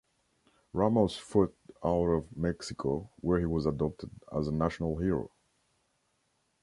Ramos fought out of Mexico where he was adopted as a national hero.